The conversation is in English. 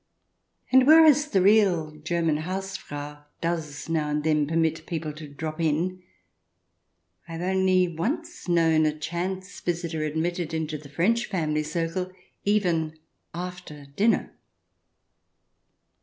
And whereas the real German Haus 30 CH. Ill] SLEEPY HOLLOW 31 frau does now and then permit people to " drop in," I have only once known a chance visitor admitted into the French family circle, even after dinner.